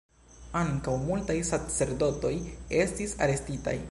Ankaŭ multaj sacerdotoj estis arestitaj.